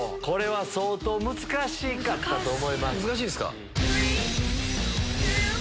相当難しかったと思います。